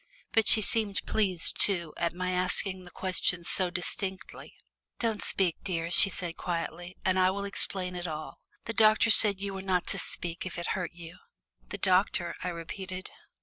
But she seemed pleased, too, at my asking the questions so distinctly. "Don't speak, dear," she said quietly, "and I will explain it all. The doctor said you were not to speak if it hurt you." "The doctor," I repeated.